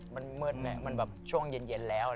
มันมืดมันแบบช่วงเย็นแล้ว